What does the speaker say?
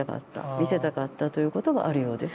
見せたかったということがあるようです。